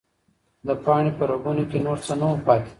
د پاڼې په رګونو کې نور څه نه وو پاتې.